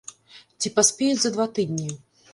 Ці паспеюць за два тыдні?